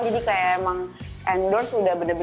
jadi kayak emang endorse udah bener bener